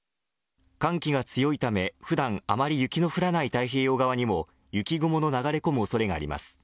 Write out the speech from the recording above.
寒気が強いため普段あまり雪の降らない太平洋側にも雪雲の流れ込む恐れがあります。